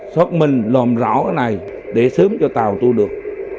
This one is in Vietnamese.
xót minh làm rõ cái này để sớm cho tàu tu được